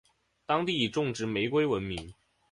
当地以种植玫瑰闻名。